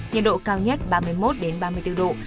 nhiệt độ cao nhất ba mươi một ba mươi bốn độ